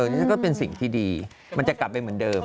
นี่ฉันก็เป็นสิ่งที่ดีมันจะกลับไปเหมือนเดิม